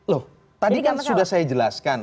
loh tadi kan sudah saya jelaskan